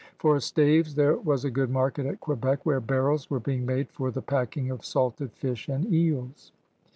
For staves there was a good market at Quebec where barrels were being made for the packing of salted fish and eels.